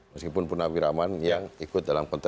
meskipun pun nabi rahman yang ikut dalam kontestasi